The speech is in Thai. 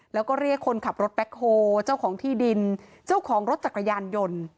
แล้วก็เรียกคนขับรถแบ็คโฮเจ้าของที่ดินเจ้าของรถจักรยานยนต์